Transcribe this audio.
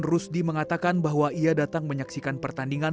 rusdi mengatakan bahwa ia datang menyaksikan pertandingan